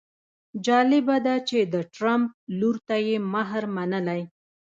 جالبه ده چې د ټرمپ لور ته یې مهر منلی.